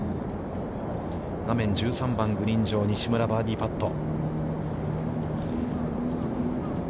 画面１３番、グリーン上、西村バーディーパット。